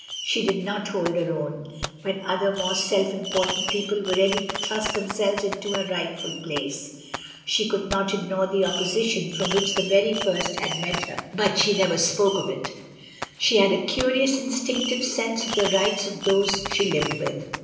She did not hold her own, when other more self important people were ready to thrust themselves into her rightful place. She could not ignore the opposition which from the very first had met her, but she never spoke of it. She had a curious, instinctive sense of the rights of those she lived with.